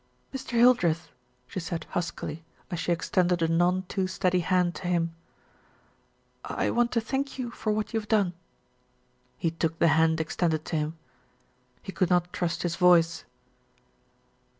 "Mr. Hildreth," she said huskily, as she extended a none too steady hand to him, "I want to thank you for what you have done." He took the hand extended to him. He could not trust his voice.